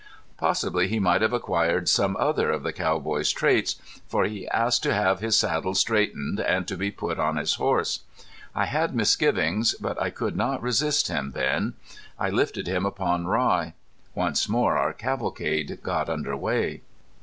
Possibly he might have acquired some other of the cowboy's traits, for he asked to have his saddle straightened and to be put on his horse. I had misgivings, but I could not resist him then. I lifted him upon Rye. Once more our cavalcade got under way.